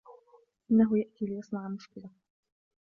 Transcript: إنهُ يأتي ليصنع مشكلة.